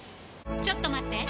ちょっと待って！